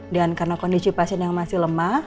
dan karena kondisi pasien yang masih lemah